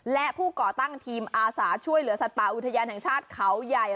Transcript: และผู้ก่อตั้งทีมอาสาช่วยเหลือสัตว์ป่าอุทยานแห่งชาติเขาใหญ่